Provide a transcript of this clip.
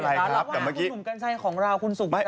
เขาดูเดือดร้อนแล้วคุณหนุ่มกันใช่ของเราคุณสุขกับ